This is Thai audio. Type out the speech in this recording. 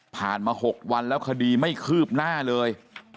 ผ่านมา๖วันแล้วคดีไม่คืบหน้าเลย